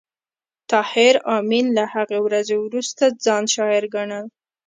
طاهر آمین له هغې ورځې وروسته ځان شاعر ګڼل